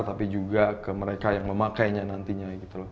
tapi juga ke mereka yang memakainya nantinya